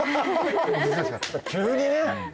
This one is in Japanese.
急にね。